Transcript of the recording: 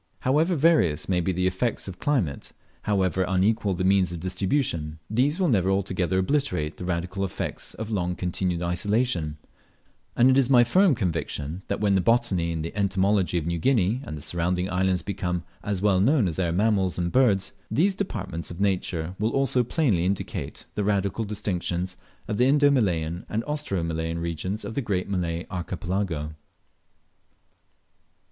However various may be the effects of climate, however unequal the means of distribution; these will never altogether obliterate the radical effects of long continued isolation; and it is my firm conviction, that when the botany and the entomology of New Guinea and the surrounding islands become as well known as are their mammals and birds, these departments of nature will also plainly indicate the radical distinctions of the Indo Malayan and Austro Malayan regions of the great Malay Archipelago.